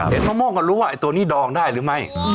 มะม่วงก็รู้ว่าไอ้ตัวนี้ดองได้หรือไม่